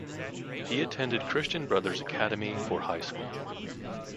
He attended Christian Brothers Academy for high school.